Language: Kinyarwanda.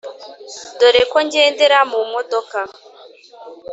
Dore ko ngendera mu modoka